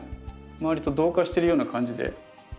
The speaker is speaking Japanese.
周りと同化してるような感じで。